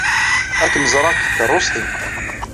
Ad kem-ẓṛeɣ deg tkeṛṛust-im.